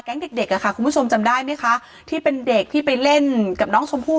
เด็กเด็กอ่ะค่ะคุณผู้ชมจำได้ไหมคะที่เป็นเด็กที่ไปเล่นกับน้องชมพู่